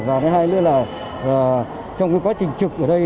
và hai lứa là trong quá trình trực ở đây